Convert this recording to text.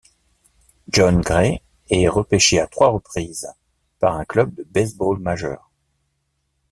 Jon Gray est repêché à trois reprises par un club du baseball majeur.